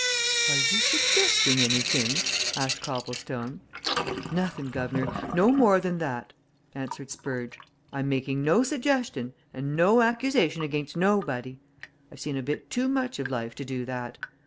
"Are you suggesting anything?" asked Copplestone. "Nothing, guv'nor no more than that," answered Spurge. "I'm making no suggestion and no accusation against nobody. I've seen a bit too much of life to do that.